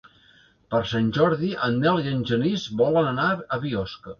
Per Sant Jordi en Nel i en Genís volen anar a Biosca.